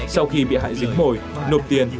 sau khi bị hại dính mồi nộp tiền